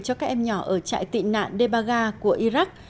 cho các em nhỏ ở trại tị nạn debaga của iraq